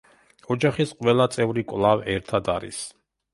ოჯახის ყველა წევრი კვლავ ერთად არის.